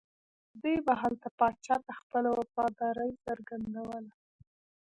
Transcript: دوی به هلته پاچا ته خپله وفاداري څرګندوله.